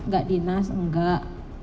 gak di nas enggak